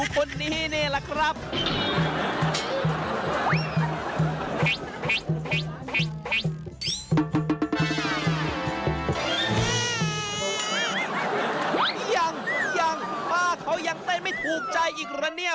ป้าเค้ายังเต้นไม่ถูกใจอีกละเนี่ย